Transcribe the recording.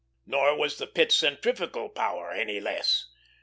Nor was the Pit's centrifugal power any less.